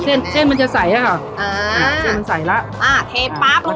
แซ่นแซ่นมันจะใส่หรอฮะอาเส้นมันใสเรอะอ่าเทป๊าบลงมา